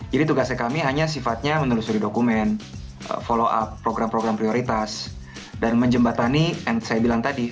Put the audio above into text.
jadi tugasnya kami hanya sifatnya menelusuri dokumen follow up program program prioritas dan menjembatani yang saya bilang tadi